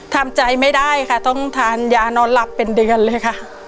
ทำใจไม่ได้ค่ะต้องทานยานอนหลับเป็นเดือนเลยค่ะ